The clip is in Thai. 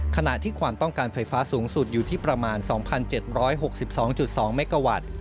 ขณะที่ความต้องการไฟฟ้าสูงสุดอยู่ที่ประมาณ๒๗๖๒๒เมกาวัตต์